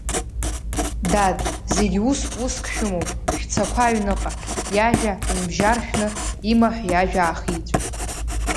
Дад, зегь уск-уск шәымоуп, шәцақәа аҩныҟа, иажәа нбжьаршәны, имаҳә иажәа аахиҵәеит.